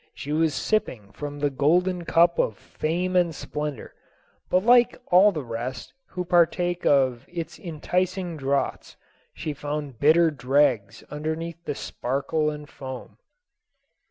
She was sipping from the golden cup of fame and splendor, but like all the rest who partake its enticing draughts, she found bitter dregs underneath the sparkle and foam.